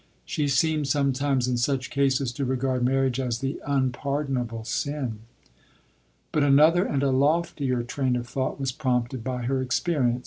She seemed sometimes in such cases to regard marriage as the unpardonable sin. But another and a loftier train of thought was prompted by her experience.